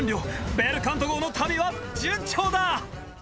ベルカント号の旅は順調だ！